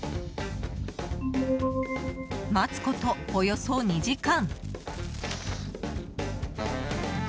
待つこと、およそ２時間。